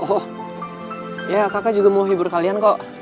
oh ya kakak juga mau hibur kalian kok